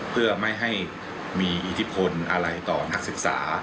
เพื่อไม่ให้มีอิทธิพลอะไรต่อนักศึกษา